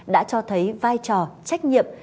đã cho thấy vai trò trách nhiệm